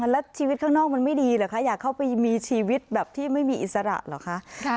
แล้วชีวิตข้างนอกมันไม่ดีเหรอคะอยากเข้าไปมีชีวิตแบบที่ไม่มีอิสระเหรอคะ